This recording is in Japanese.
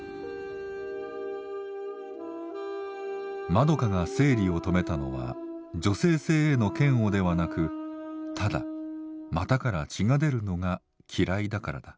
まどかが生理を止めたのは女性性への嫌悪ではなくただ股から血が出るのが嫌いだからだ。